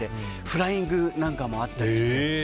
フライングなんかもあったり。